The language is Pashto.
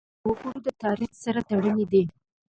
متلونه د وګړو د تاریخ سره تړلي دي